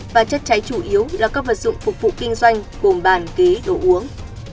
và chất cháy chủ yếu là các vật dụng phục vụ kinh doanh gồm bàn ghế đồ uống